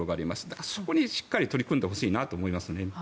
だから、そこにしっかり取り組んでほしいなと思いますね。